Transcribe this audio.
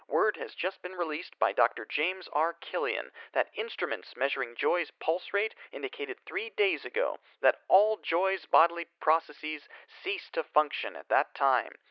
Word has just been released by Dr. James R. Killian that instruments measuring Joy's pulse rate indicated three days ago that all Joy's bodily processes ceased to function at that time.